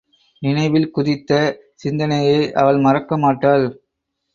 நினைவில் குதித்த சிந்தனையை அவள் மறக்க மாட்டாள்.